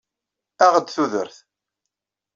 Aɣ-d tudert!